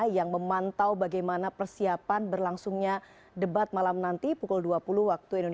yang memantau bagaimana persiapan berlangsungnya debat malam nanti pukul dua puluh waktu indonesia